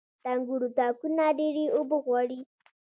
• د انګورو تاکونه ډيرې اوبه غواړي.